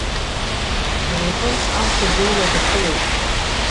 Иара иҟынтә ҳамҭа дуала даԥылоит.